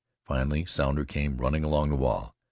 Finally Sounder came running along the wall.